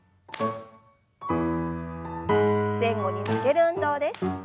前後に曲げる運動です。